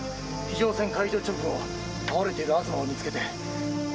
非常線解除直後倒れている東を見つけて。